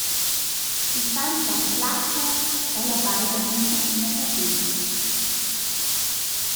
I fan tour plazza, ella baiva üna cuppina cafè.